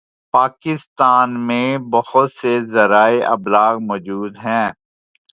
پاکستان میں بہت سے ذرائع ابلاغ موجود ہیں